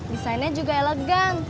desainnya juga elegan